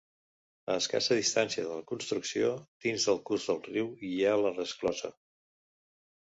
A escassa distància de la construcció, dins del curs del riu, hi ha la resclosa.